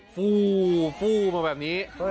ฟูฟู้มาแบบนี้